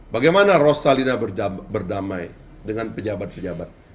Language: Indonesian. bagaimana rosalina berdamai dengan pejabat pejabat